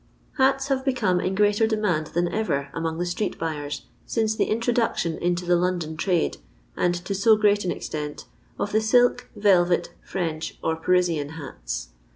Hats have become in greater demand than ever among the street buyers since the introduction into the London trade, and to so great an extent, of the silk, velvet, French, or Parisian hats.